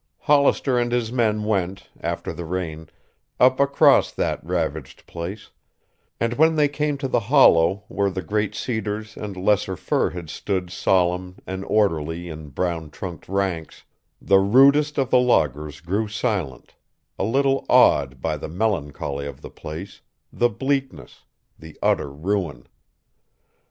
Hollister and his men went, after the rain, up across that ravaged place, and when they came to the hollow where the great cedars and lesser fir had stood solemn and orderly in brown trunked ranks, the rudest of the loggers grew silent, a little awed by the melancholy of the place, the bleakness, the utter ruin.